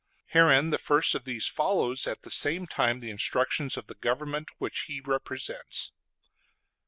Herein the first of these follows at the same time the instructions of the government which he represents.